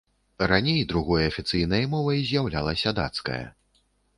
Раней другой афіцыйнай мовай з'яўлялася дацкая.